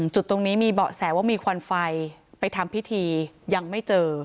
จุดตรงนี้มีเบาะแสว่ามีควันไฟไปทำพิธียังไม่เจอ